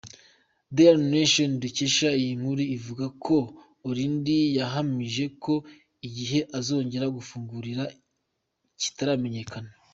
Daily Nation dukesha iyi nkuru ivuga ko Orindi yahamije ko igihe izongera gufungurira kitaramenyekana.